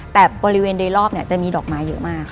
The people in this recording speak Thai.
แต่บริเวณโดยรอบจะมีดอกไม้เยอะมาก